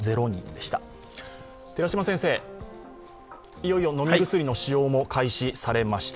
いよいよ飲み薬の使用も開始されました。